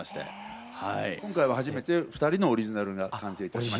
今回は初めて２人のオリジナルが完成いたしました。